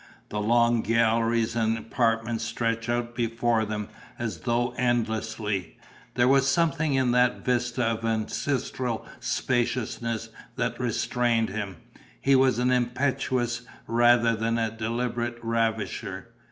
The long galleries and apartments stretched out before them, as though endlessly. There was something in that vista of ancestral spaciousness that restrained him. He was an impetuous rather than a deliberate ravisher.